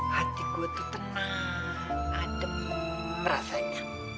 hati gua tuh tenang adem rasanya